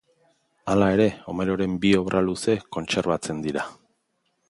Hala ere, Homeroren bi obra luze kontserbatzen dira.